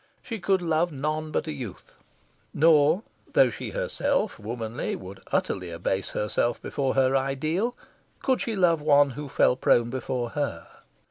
She could love none but a youth. Nor though she herself, womanly, would utterly abase herself before her ideal could she love one who fell prone before her.